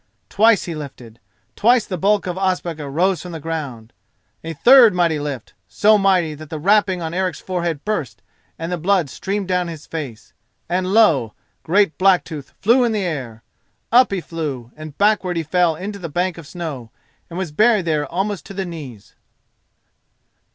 Twice he lifted—twice the bulk of Ospakar rose from the ground—a third mighty lift—so mighty that the wrapping on Eric's forehead burst, and the blood streamed down his face—and lo! great Blacktooth flew in air. Up he flew, and backward he fell into the bank of snow, and was buried there almost to the knees.